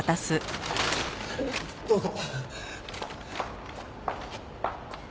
どうぞ。